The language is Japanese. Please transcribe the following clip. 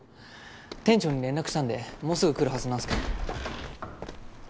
店長に連絡したんでもうすぐ来るはずなんですけど。